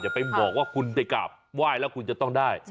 ไปบอกว่าคุณไปกราบไหว้แล้วคุณจะต้องได้